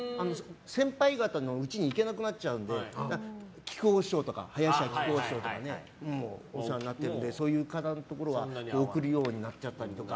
先輩方の家に行けなくなっちゃうので木久扇師匠とかお世話になってるのでそういう方のところは贈るようになったりとか。